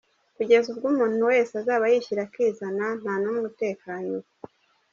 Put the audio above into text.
Kugeza ubwo umuntu wese azaba yishyira akizana, nta numwe utekanye ubu.